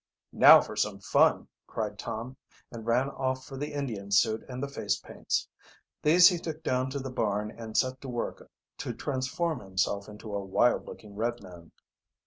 "Now for some fun!" cried Tom, and ran off for the Indian suit and the face paints. These he took down to the bam and set to work to transform himself into a wild looking red man.